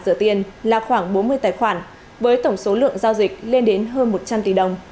rửa tiền là khoảng bốn mươi tài khoản với tổng số lượng giao dịch lên đến hơn một trăm linh tỷ đồng